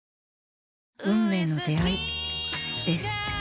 運命の出会いです。